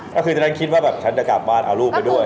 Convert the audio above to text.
ก็คือตอนนั้นคิดว่าแบบฉันจะกลับบ้านเอาลูกไปด้วย